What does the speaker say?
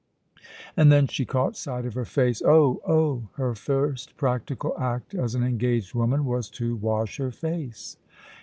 And then she caught sight of her face oh, oh! Her first practical act as an engaged woman was to wash her face.